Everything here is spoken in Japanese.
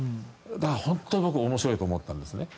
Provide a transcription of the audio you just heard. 本当に僕、面白いと思ったんですね。